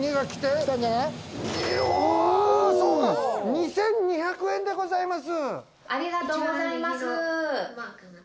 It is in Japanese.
２２００円でございます！